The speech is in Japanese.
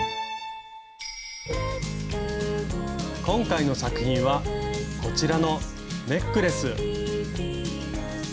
今回の作品はこちらのネックレス。